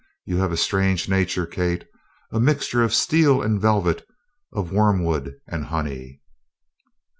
You have a strange nature, Kate a mixture of steel and velvet, of wormwood and honey."